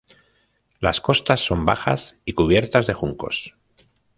Las costas son bajas y cubiertas de juncos.